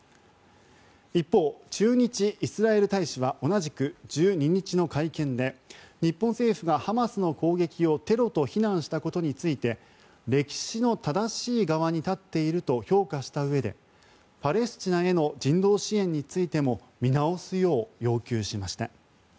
一方、駐日イスラエル大使は同じく１２日の会見で日本政府がハマスの攻撃をテロと非難したことについて歴史の正しい側に立っていると評価したうえでパレスチナへの人道支援についても見直すよう要求しました。